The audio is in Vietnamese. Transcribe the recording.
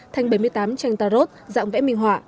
thành bảy mươi tám tranh tarot dạng vẽ minh họa